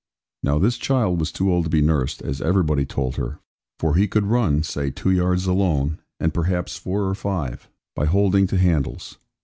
Now this child was too old to be nursed, as everybody told her; for he could run, say two yards alone, and perhaps four or five, by holding to handles.